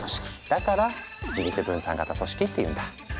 だから自律分散型組織って言うんだ。